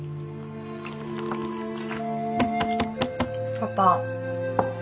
パパ。